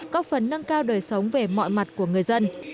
có phần nâng cao đời sống về mọi mặt của người dân